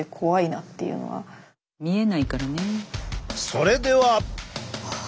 それでは！